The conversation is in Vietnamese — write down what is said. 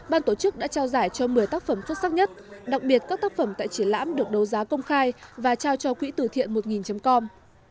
ban tổ chức đã trao giải cho một mươi tác phẩm xuất sắc nhất đặc biệt các tác phẩm tại triển lãm được đấu giá công khai và trao cho quỹ tử thiện một com